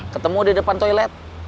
ketemu di depan toilet